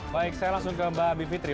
baik saya langsung ke mbak bivitri